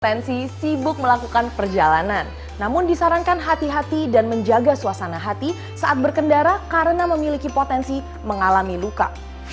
perjalanan namun disarankan hati hati dan menjaga suasana hati saat berkendara karena memiliki potensi mengalami luka